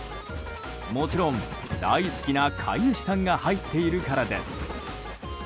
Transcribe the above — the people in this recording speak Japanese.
もちろん、大好きな飼い主さんが入っているからです。